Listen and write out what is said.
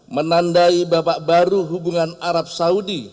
menandai babak baru hubungan arab saudi